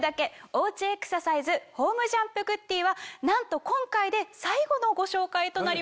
おうちエクササイズホームジャンプグッデイはなんと今回で最後のご紹介となります。